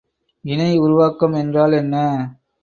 இணை உருவாக்கம் என்றால் என்ன?